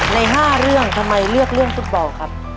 ใน๕เรื่องทำไมเลือกเรื่องฟุตบอลครับ